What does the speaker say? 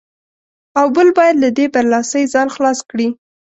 او بل باید له دې برلاسۍ ځان خلاص کړي.